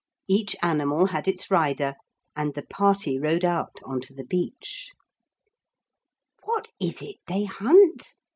Each animal had its rider and the party rode out on to the beach. 'What is it they hunt?'